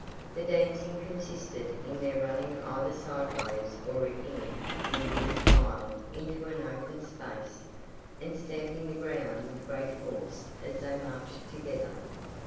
The dancing consisted in their running either sideways or in Indian file into an open space, and stamping the ground with great force as they marched together.